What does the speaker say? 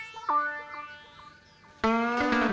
bapak apa yang kamu lakukan